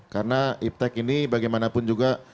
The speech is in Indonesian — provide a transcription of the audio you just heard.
karena iptec ini bagaimanapun juga